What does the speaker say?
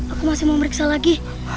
aku masih memeriksa lagi